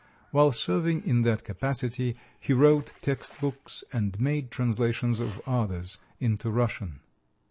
While serving in that capacity he wrote text books and made translations of others into Russian.